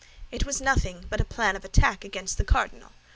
It was nothing but a plan of attack against the cardinal.